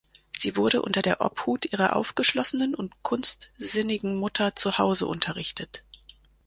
Sie wurde unter der Obhut ihrer aufgeschlossenen und kunstsinnigen Mutter zu Hause unterrichtet.